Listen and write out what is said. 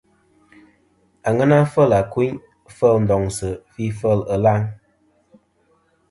Aŋena fel àkuyn, fel ndoŋsɨ̀, fi fel ɨlaŋ.